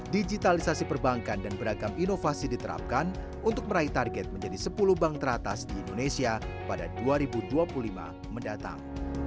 digitalisasi perbankan dan beragam inovasi diterapkan untuk meraih target menjadi sepuluh bank teratas di indonesia pada dua ribu dua puluh lima mendatang